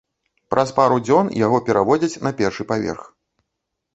Праз пару дзён яго пераводзяць на першы паверх.